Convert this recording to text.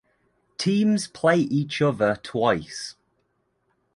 Teams play each other twice.